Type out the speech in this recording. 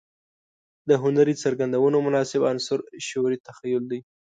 د هنري څرګندونو مناسب عنصر شعري تخيل دى.